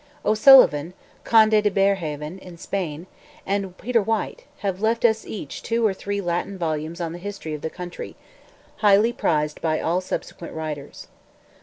O'Sullivan, Conde de Berehaven, in Spain, and Peter White, have left us each two or three Latin volumes on the history of the country, highly prized by all subsequent writers.